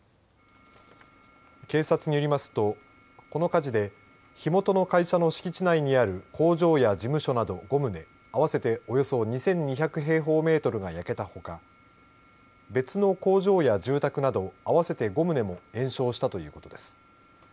警察によりますとこの火事で火元の会社の敷地内にある工場に事務所など５棟合わせておよそ２２００平方メートルが焼けたほか別の工場や住宅など合わせて５棟も延焼したということです。